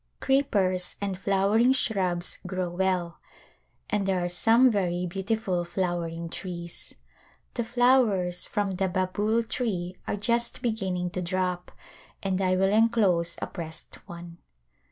Creepers and flowering shrubs grow well, and there are some very beautiful flowering trees. The flowers from the babool tree are just beginning to drop and I will enclose a pressed one.